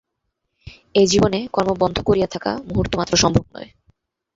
এ-জীবনে কর্ম বন্ধ করিয়া থাকা মুহূর্তমাত্র সম্ভব নয়।